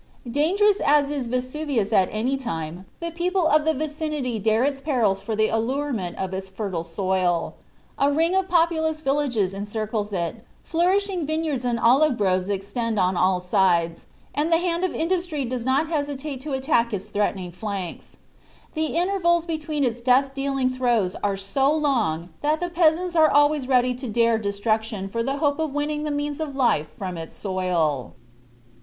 Dangerous as is Vesuvius at any time, the people of the vicinity dare its perils for the allurement of its fertile soil. A ring of populous villages encircles it, flourishing vineyards and olive groves extend on all sides, and the hand of industry does not hesitate to attack its threatening flanks. The intervals between its death dealing throes are so long that the peasants are always ready to dare destruction for the hope of winning the means of life from its soil.